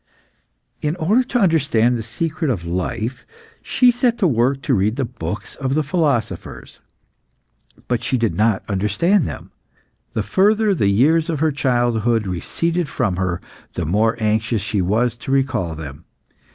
In order to understand the secret of life, she set to work to read the books of the philosophers, but she did not understand them. The further the years of her childhood receded from her, the more anxious she was to recall them.